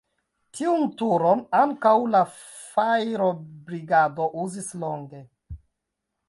Tiun turon ankaŭ la fajrobrigado uzis longe.